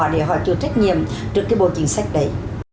để họ chịu trách nhiệm trước cái bộ chính sách đấy